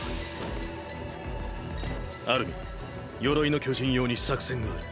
アルミン鎧の巨人用に作戦がある。